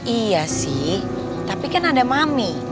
iya sih tapi kan ada mami